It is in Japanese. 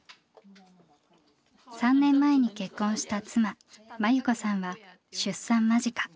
３年前に結婚した妻万由子さんは出産間近。